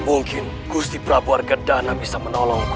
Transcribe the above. mungkin gusti prabu argadana bisa menolongku